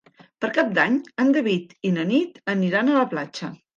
Per Cap d'Any en David i na Nit aniran a la platja.